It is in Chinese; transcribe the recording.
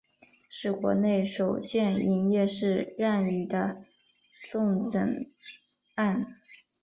是国内首件营业式让与的重整案。